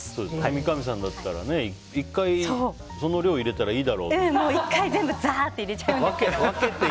三上さんだったら１回その量を入れたらいいだろうって。